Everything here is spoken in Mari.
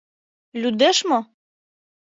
Лӱдеш мо?